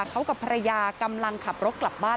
เขากับภรรยากำลังขับรถกลับบ้าน